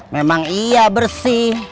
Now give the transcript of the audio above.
memang iya bersih